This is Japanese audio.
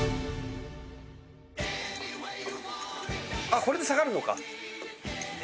あっこれで下がるのか。